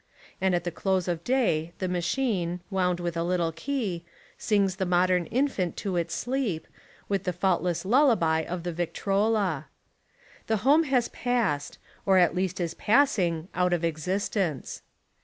And at the close of day the machine, wound with a little key, sings the modern infant to its sleep, with the fault less lullaby of the Victrola. The home has passed, or at least is passing out of existence.